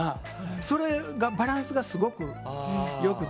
そのバランスがすごく良くて。